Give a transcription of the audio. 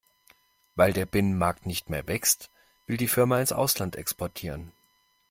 Weil der Binnenmarkt nicht mehr wächst, will die Firma ins Ausland exportieren.